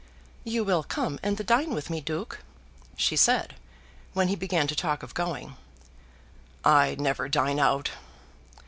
"You will come and dine with me, Duke?" she said, when he began to talk of going. "I never dine out."